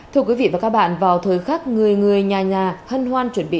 thưa quý vị và các bạn vào thời khắc người người nhà nhà hân hoan chuẩn bị